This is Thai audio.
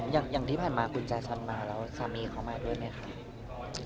อย่างที่ผ่านมาคุณจาชันมาแล้วสามีเขามาด้วยไหมคะ